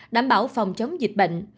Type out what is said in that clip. đảm bảo phòng chống dịch bệnh